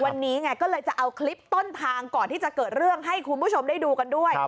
วันนี้ไงก็เลยจะเอาคลิปต้นทางก่อนที่จะเกิดเรื่องให้คุณผู้ชมได้ดูกันด้วย